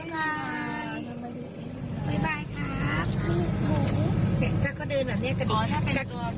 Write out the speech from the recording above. สวัสดีครับ